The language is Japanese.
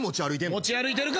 持ち歩いてるか！